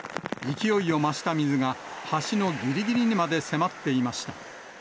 勢いを増した水が、橋のぎりぎりにまで迫っていました。